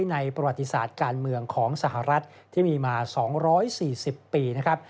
ในประวัติศาสตร์การเมืองของสหรัฐที่มีมา๒๔๐ปีนะครับ